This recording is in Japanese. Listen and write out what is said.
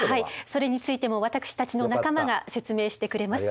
それについても私たちの仲間が説明してくれます。